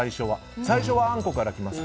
最初はあんこから来ます。